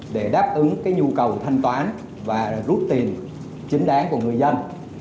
để đáp ứng nhu cầu thanh toán và rút tiền chính đáng của người dân